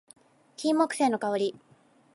金木犀の香り